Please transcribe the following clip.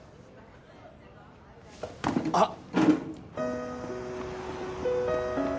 あっ！